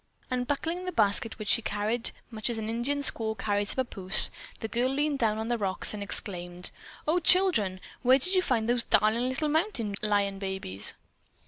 Unbuckling the basket which she carried much as an Indian squaw carries a pappoose, the girl leaped down the rocks and exclaimed: "Oh, children, where did you find those darling little mountain lion babies?"